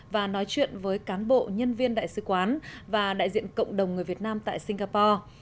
và nói chuyện với cán bộ nhân viên đại sứ quán và đại diện cộng đồng người việt nam tại singapore